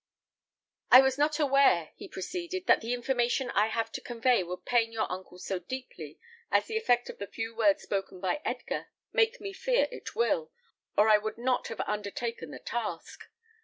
"I was not aware," he proceeded, "that the information I have to convey would pain your uncle so deeply as the effect of the few words spoken by Edgar make me fear it will, or I would not have undertaken the task.